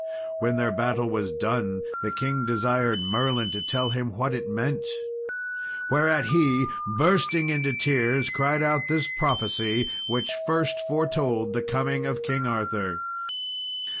When their battle was done, the king desired Merlin to tell him what it meant. Whereat he, bursting into tears, cried out this prophecy, which first foretold the coming of King Arthur.